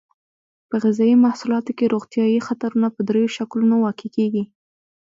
په غذایي محصولاتو کې روغتیایي خطرونه په دریو شکلونو واقع کیږي.